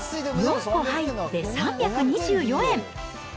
４個入って３２４円。